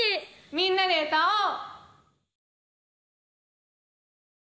「みんなで歌おう」！